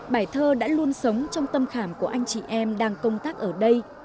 bài thơ đã luôn sống trong tâm khảm của anh chị em đang công tác ở đây